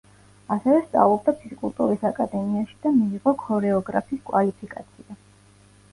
ასევე სწავლობდა ფიზკულტურის აკადემიაში და მიიღო ქორეოგრაფის კვალიფიკაცია.